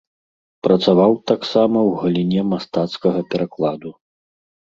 Працаваў таксама ў галіне мастацкага перакладу.